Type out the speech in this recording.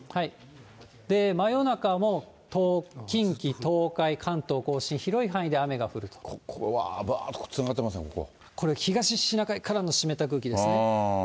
真夜中も、近畿、東海、関東甲信、ここは、これ、東シナ海からの湿った空気ですね。